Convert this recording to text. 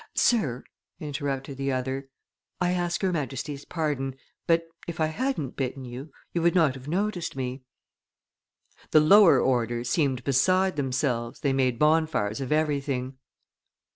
'Sir,' interrupted the other, 'I ask your Majesty's pardon; but, if I hadn't bitten you, you would not have noticed me.' The lower orders seemed beside themselves, they made bonfires of everything.